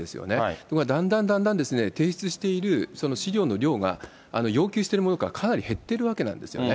ところが、だんだんだんだん提出している資料の量が要求しているものからかなり減ってるわけなんですよね。